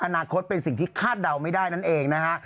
อนาคตเป็นสิ่งที่คาดเดาไม่ได้นั่นเองนะฮะ